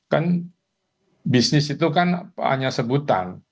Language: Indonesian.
kan bisnis itu kan hanya sebutan